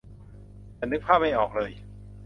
ฉันนึกภาพไม่ออกเลย